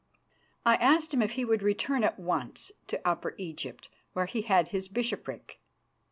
I asked him if he would return at once to Upper Egypt, where he had his bishopric.